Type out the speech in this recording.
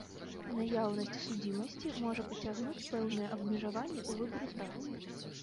Наяўнасць судзімасці можа пацягнуць пэўныя абмежаванні ў выбары працы.